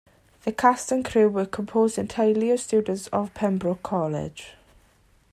The cast and crew were composed entirely of students of Pembroke College.